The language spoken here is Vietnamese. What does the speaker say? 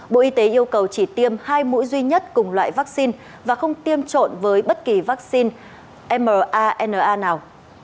bộ y tế yêu cầu chỉ tiêm hai mũi duy nhất cùng loại vaccine và không tiêm trộn với bất kỳ vaccine mana nào